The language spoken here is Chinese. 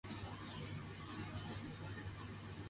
传言说下一个受害者将是常青外语高中的学生。